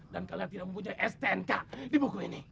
dan kalian tidak mempunyai stnk di buku ini